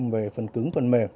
về phần cứng phần mềm